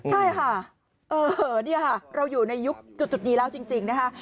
ใช่ค่ะนี่ค่ะเราอยู่ในยุคจุดนี้แล้วจริงนะคะ